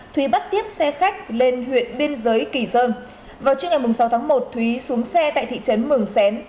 thúy bắt tiếp xe khách lên huyện biên giới kỳ sơn vào trước ngày sáu tháng một thúy xuống xe tại thị trấn mường xén